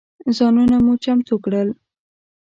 ځانونه مو چمتو کړل.